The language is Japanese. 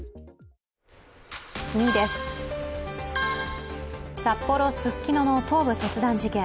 ２位です、札幌・ススキノの頭部切断事件。